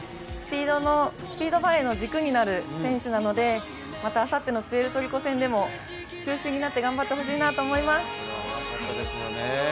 スピードバレーの軸になる選手なので、またあさってのプエルトリコ戦でも中心になって頑張ってほしいなと思います。